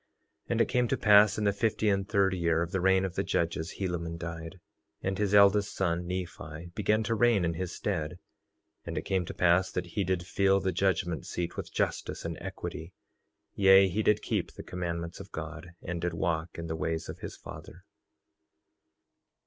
3:37 And it came to pass in the fifty and third year of the reign of the judges, Helaman died, and his eldest son Nephi began to reign in his stead. And it came to pass that he did fill the judgment seat with justice and equity; yea, he did keep the commandments of God, and did walk in the ways of his father.